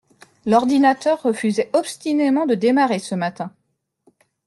L'ordinateur refusait obstinément de démarrer ce matin.